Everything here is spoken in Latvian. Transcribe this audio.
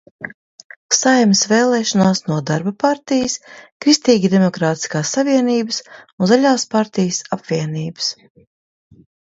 Saeimas vēlēšanās no Darba partijas, Kristīgi demokrātiskās savienības un Zaļās partijas apvienības.